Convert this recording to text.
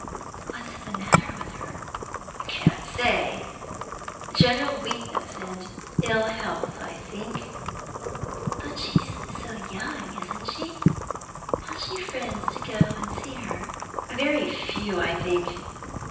"What's the matter with her?" "Can't say; general weakness and ill health, I think?" "But she's so young, isn't she? Has she friends to go and see her?" "Very few, I think."